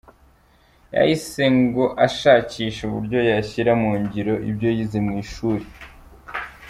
Yahise ngo ashakisha uburyo yashyira mu ngiro ibyo yize mu ishuri.